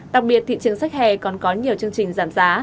đặc biệt thị trường sách hè còn có nhiều chương trình giảm giá